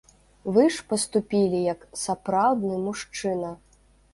Вы ж паступілі як сапраўдны мужчына!